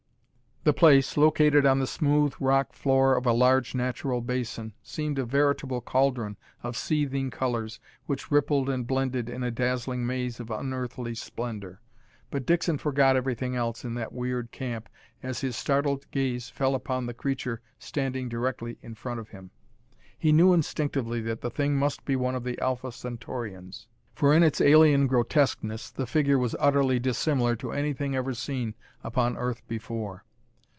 The place, located on the smooth rock floor of a large natural basin, seemed a veritable cauldron of seething colors which rippled and blended in a dazzling maze of unearthly splendor. But Dixon forgot everything else in that weird camp as his startled gaze fell upon the creature standing directly in front of him. He knew instinctively that the thing must be one of the Alpha Centaurians, for in its alien grotesqueness the figure was utterly dissimilar to anything ever seen upon Earth before.